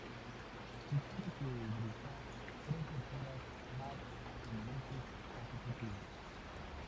Se espera que dirija tres óperas más en meses consecutivos.